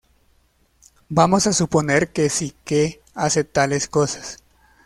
Vamos a suponer que sí que hace tales cosas.